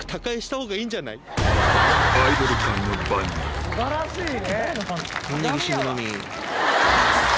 素晴らしいね！